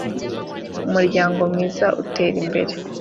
umuryango mwiza utera imbere